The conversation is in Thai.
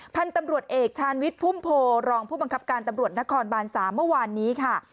พันธุ์ตำรวจเอกชาญวิทย์พุ่มโพรองผู้บังคับการตำรวจนครบาน๓เมื่อวานนี้ค่ะ